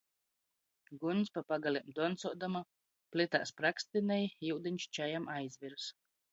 Guņs, pa pagalem doncuodama, plitā sprakstinej, iudiņs čajam aizvirs.